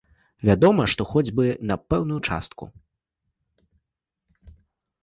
Вядома, што хоць бы на пэўную частку.